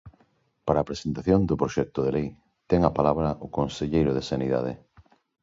Para a presentación do proxecto de lei ten a palabra o conselleiro de Sanidade.